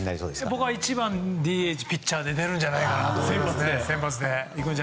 僕は１番ＤＨピッチャーで出るんじゃないかと思いますね。